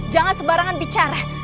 jangan sebarangan bicara